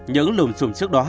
những lùm xùm trước đó